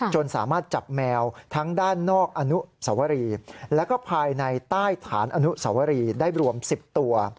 สามารถจับแมวทั้งด้านนอกอนุสวรีแล้วก็ภายในใต้ฐานอนุสวรีได้รวม๑๐ตัว